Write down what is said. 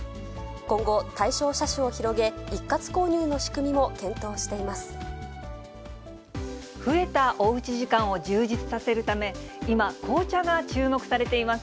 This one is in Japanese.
今後、対象車種を広げ、一括購入増えたおうち時間を充実させるため、今、紅茶が注目されています。